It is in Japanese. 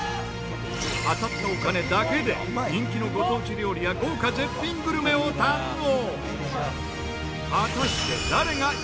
当たったお金だけで人気のご当地料理や豪華絶品グルメを堪能！